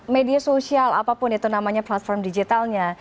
media sosial apapun itu namanya platform digitalnya